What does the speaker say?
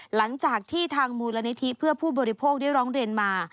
หลังจากที่ทางมูลนิธิเพื่อผู้บริโภคได้ร้องเรียนมา